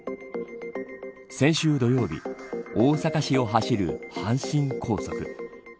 先週土曜日大阪市を走る阪神高速。